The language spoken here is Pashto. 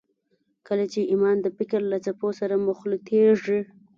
کله چې ايمان د فکر له څپو سره مخلوطېږي.